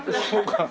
そうか。